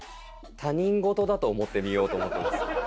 他人事だと思って見ようと思ってます。